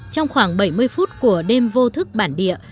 trong khoảng bảy mươi phút của đêm vô thức bản địa